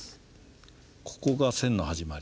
ここが線の始まり。